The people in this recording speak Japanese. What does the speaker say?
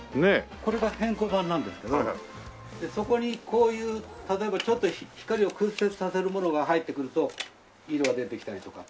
これが偏光板なんですけどそこにこういう例えばちょっと光を屈折させるものが入ってくると色が出てきたりとか。